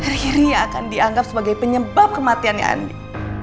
riri yang akan dianggap sebagai penyebab kematiannya andi